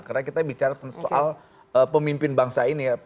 karena kita bicara soal pemimpin bangsa ini